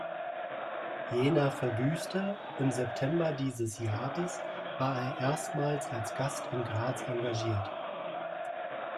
Jänner verbüßte, im September dieses Jahres war er erstmals als Gast in Graz engagiert.